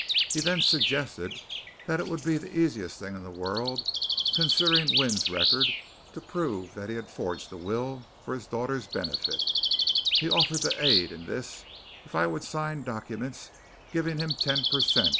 He then suggested that it would be the easiest thing in the world, considering Wynne's record, to prove that he had forged the will for his daughter's benefit. He offered to aid in this if I would sign documents giving him ten per cent.